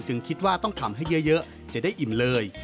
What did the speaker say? คิดว่าต้องทำให้เยอะจะได้อิ่มเลย